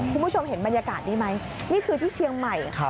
คุณผู้ชมเห็นบรรยากาศนี้ไหมนี่คือที่เชียงใหม่ค่ะ